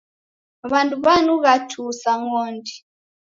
W'andu w'anugha tuu sa ng'ondi.